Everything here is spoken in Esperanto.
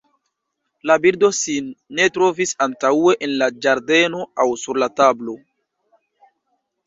La birdo sin ne trovis antaŭe en la ĝardeno aŭ sur la tablo.